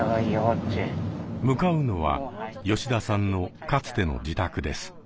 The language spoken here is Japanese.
向かうのは吉田さんのかつての自宅です。